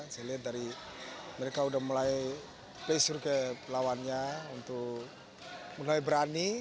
saya lihat dari mereka udah mulai play surga lawannya untuk mulai berani